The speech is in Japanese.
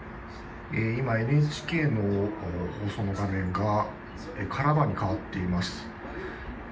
ＮＨＫの放送の画面がカラーバーに変わっています。